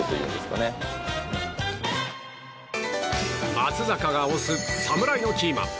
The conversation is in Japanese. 松坂が推す侍のキーマン。